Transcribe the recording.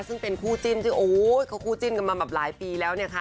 ซึ่งเป็นคู่จิ้นที่เขาคู่จิ้นกันมาแบบหลายปีแล้วเนี่ยค่ะ